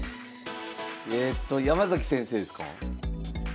えっと山崎先生ですか？